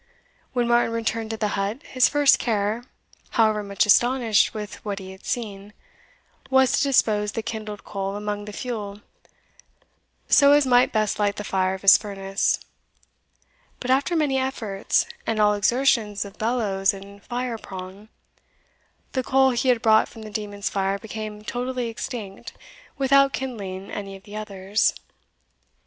When Martin returned to the hut, his first care, however much astonished with what he had seen, was to dispose the kindled coal among the fuel so as might best light the fire of his furnace; but after many efforts, and all exertions of bellows and fire prong, the coal he had brought from the demon's fire became totally extinct without kindling any of the others.